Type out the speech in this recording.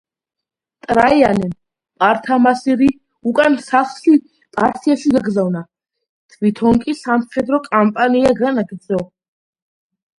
ტრაიანემ პართამასირი უკან სახლში პართიაში გაგზავნა, თვითონ კი სამხედრო კამპანია განაგრძო.